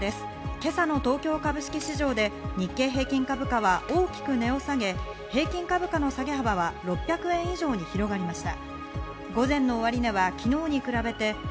今朝の東京株式市場で日経平均株価は大きく値を下げ、平均株価の下げ幅は６００円以上に広がりました。